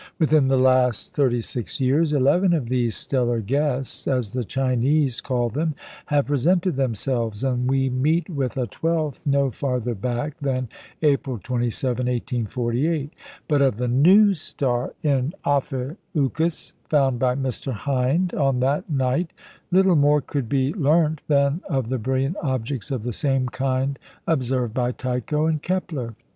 Within the last thirty six years eleven of these stellar guests (as the Chinese call them) have presented themselves, and we meet with a twelfth no farther back than April 27, 1848. But of the "new star" in Ophiuchus found by Mr. Hind on that night, little more could be learnt than of the brilliant objects of the same kind observed by Tycho and Kepler.